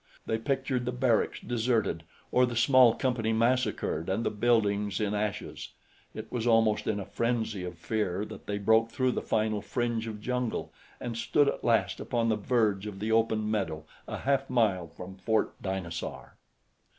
They pictured the barracks deserted or the small company massacred and the buildings in ashes. It was almost in a frenzy of fear that they broke through the final fringe of jungle and stood at last upon the verge of the open meadow a half mile from Fort Dinosaur.